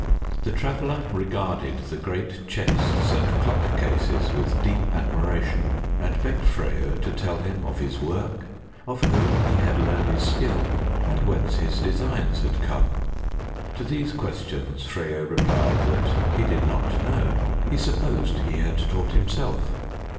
The Traveler regarded the great chests and clock cases with deep admiration and begged Freyo to tell him of his work; of whom he had learned his skill; and whence his designs had come. To these questions Freyo replied that he did not know, he supposed he had taught himself.